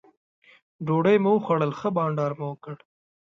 ډوډۍ مو وخوړل ښه بانډار مو وکړ.